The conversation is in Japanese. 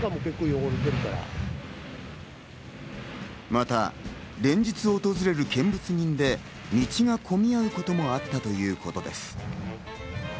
また、連日訪れる見物人で道が混み合うこともあったということです。